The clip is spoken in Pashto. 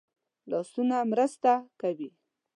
لاسونه مرسته کوي